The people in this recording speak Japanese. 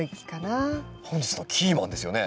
本日のキーマンですよね